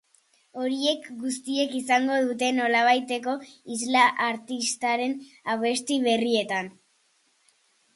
Horiek guztiek izango dute nolabaiteko isla artistaren abesti berrietan.